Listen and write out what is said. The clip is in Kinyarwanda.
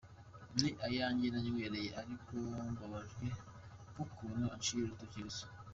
Ni ayanjye nanywereye, ariko mbabajwe n’ukuntu anciye urutoki gusa.